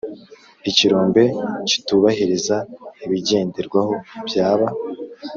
Ikirombe kitubahiriza ibigenderwaho byaba